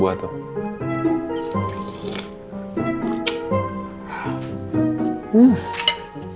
udah fokus sama buah tuh